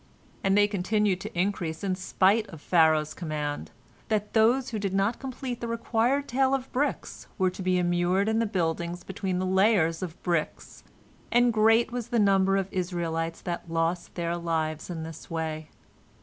And they continued to increase in spite of Pharaoh's command, that those who did not complete the required tale of bricks were to be immured in the buildings between the layers of bricks, and great was the number of the Israelites that lost their lives in this way.